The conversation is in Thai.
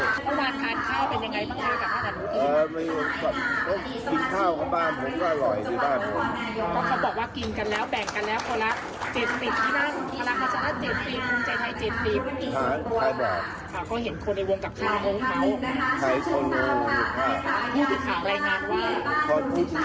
เมื่อวานทานข้าวเป็นยังไงบ้างเท่าไหร่กับเมื่อวานหนูอีก